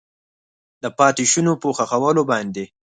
د پاتې شونو په ښخولو باندې